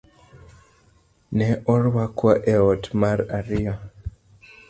Ne orwakwa e ot mar ariyo